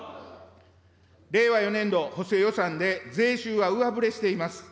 令和４年度補正予算で税収は上振れしています。